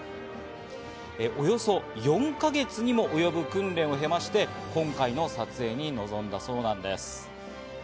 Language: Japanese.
およそ４か月にもおよぶ訓練を経まして、今回の撮影に臨んだそうなんです。